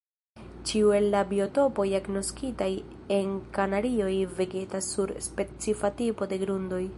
Ĉiu el la biotopoj agnoskitaj en Kanarioj vegetas sur specifa tipo de grundoj.